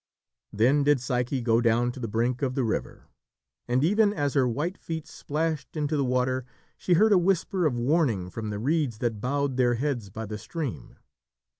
Then did Psyche go down to the brink of the river, and even as her white feet splashed into the water, she heard a whisper of warning from the reeds that bowed their heads by the stream.